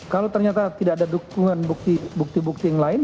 kalau ternyata tidak ada dukungan bukti bukti yang lain